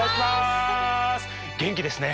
元気ですね。